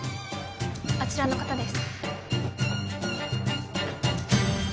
あちらの方です